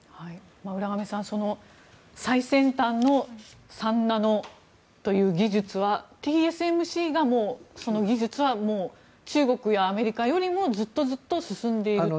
浦上さん最先端の３ナノという技術はＴＳＭＣがその技術はもう中国やアメリカよりもずっとずっと進んでいると。